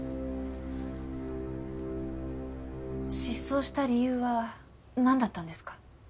失踪した理由はなんだったんですか？